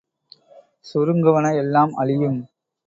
சுருங்குவன எல்லாம் அழியும்.